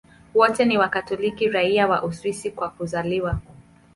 Wote ni Wakatoliki raia wa Uswisi kwa kuzaliwa.